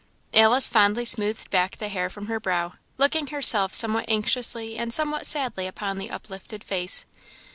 Alice fondly smoothed back the hair from her brow, looking herself somewhat anxiously and somewhat sadly upon the uplifted face.